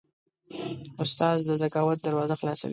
استاد د ذکاوت دروازه خلاصوي.